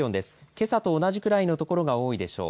けさと同じくらいのところが多いでしょう。